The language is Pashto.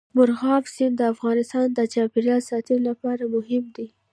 مورغاب سیند د افغانستان د چاپیریال ساتنې لپاره مهم دی.